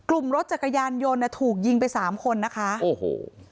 กลุ่มรถจักรยานยนต์น่ะถูกยิงไปสามคนนะคะโอ้โห